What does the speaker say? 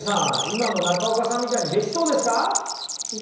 今の中岡さんみたいにできそうですか？